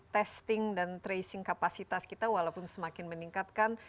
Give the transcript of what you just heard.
testing dan tracing kapasitas kita walaupun semakin meningkatkan